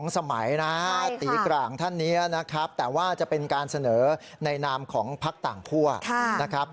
๒สมัยนะตีกร่างท่านเนี่ยนะครับแต่ว่าจะเป็นการเสนอในนามของภาคต่างผู้